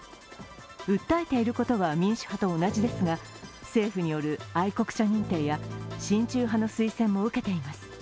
訴えていることは民主派と同じですが、政府による愛国者認定や親中派の推薦も受けています。